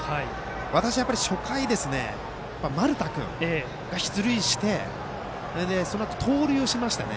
私は初回、丸田君が出塁してそのあと、盗塁をしましたよね。